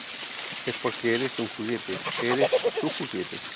Es porque eres un juguete . Eres su juguete .